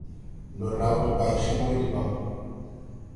Ndɔ raw debaycõõre debaŋ.